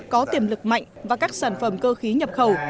có tiềm lực mạnh và các sản phẩm cơ khí nhập khẩu